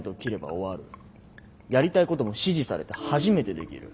やりたいことも支持されて初めてできる。